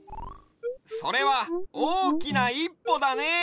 それはおおきないっぽだね！